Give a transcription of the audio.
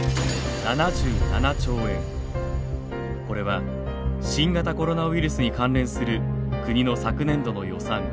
これは新型コロナウイルスに関連する国の昨年度の予算